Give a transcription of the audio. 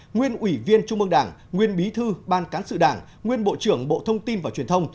nguyên ủy viên trung mương đảng nguyên bí thư ban cán sự đảng nguyên bộ trưởng bộ thông tin và truyền thông